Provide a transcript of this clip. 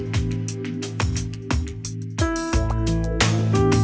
ชื่อฟอยแต่ไม่ใช่แฟง